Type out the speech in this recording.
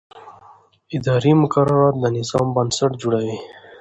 اداري مقررات د نظم بنسټ جوړوي.